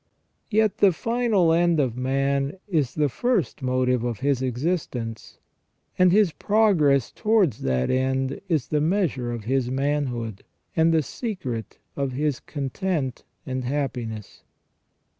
Yet the final end of man is the first motive of his existence, and his progress towards that end is the measure of his manhood, and the secret of his content and happiness.